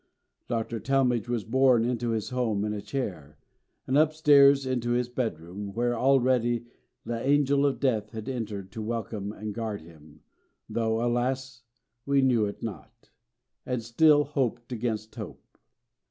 Dr. Talmage was borne into his home in a chair, and upstairs into his bedroom, where already the angel of death had entered to welcome and guard him, though, alas! we knew it not, and still hoped against hope.